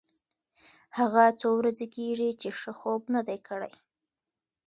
هغه څو ورځې کېږي چې ښه خوب نه دی کړی.